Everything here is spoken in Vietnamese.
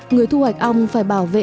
người thu hoạch ong phải bảo vệ